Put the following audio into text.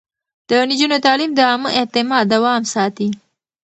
د نجونو تعليم د عامه اعتماد دوام ساتي.